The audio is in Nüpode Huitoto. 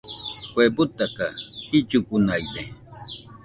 Kue butaka, jillugunaide.